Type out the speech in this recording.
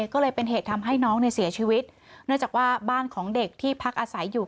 ก็เลยเป็นเหตุทำให้น้องเนี่ยเสียชีวิตเนื่องจากว่าบ้านของเด็กที่พักอาศัยอยู่